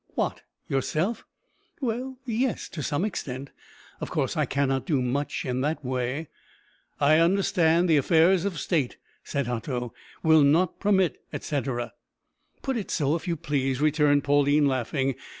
"What yourself?" "Well, yes, to some extent. Of course I cannot do much in that way " "I understand the affairs of state!" said Otto, "will not permit, etcetera." "Put it so if you please," returned Pauline, laughing.